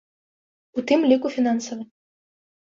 У тым ліку фінансавы.